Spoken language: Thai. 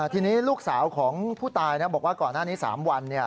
ทีนี้ลูกสาวของผู้ตายบอกว่าก่อนหน้านี้๓วัน